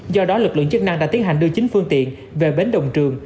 do đó lực lượng chức năng đã tiến hành đưa chính phương tiện về bến đồng trường